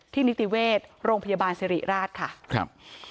ที่นิติเวชโรงพยาบาลสิริราชค่ะ